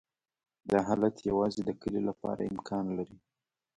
دا حالت یوازې د کلې لپاره امکان لري